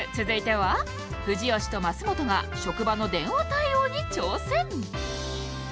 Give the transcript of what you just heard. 続いては藤吉と増本が職場の電話対応に挑戦